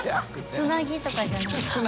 つなぎとかじゃ